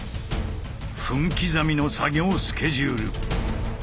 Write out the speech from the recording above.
分刻みの作業スケジュール。